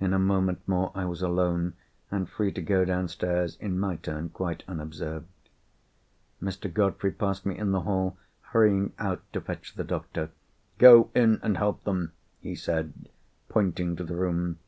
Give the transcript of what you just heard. In a moment more I was alone, and free to go downstairs in my turn, quite unobserved. Mr. Godfrey passed me in the hall, hurrying out, to fetch the doctor. "Go in, and help them!" he said, pointing to the room.